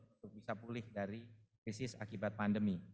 untuk bisa pulih dari krisis akibat pandemi